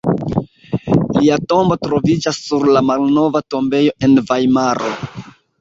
Lia tombo troviĝas sur la Malnova tombejo en Vajmaro.